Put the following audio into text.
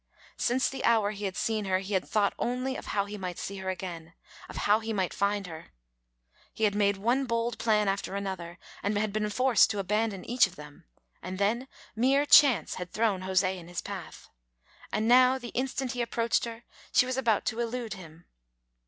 Since the hour he had seen her he had thought only of how he might see her again, of how he might find her. He had made one bold plan after another, and had been forced to abandon each of them, and then mere chance had thrown José in his path. And now the instant he approached her she was about to elude him.